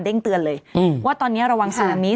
เด้งเตือนเลยว่าตอนนี้ระวังสนามนี้